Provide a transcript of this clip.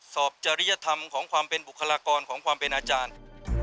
จริยธรรมของความเป็นบุคลากรของความเป็นอาจารย์